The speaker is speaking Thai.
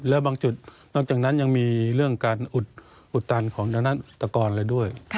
แล้วบางจุดนอกจากนั้นยังมีเรื่องการอุดตันของดังนั้นตะกรอะไรด้วย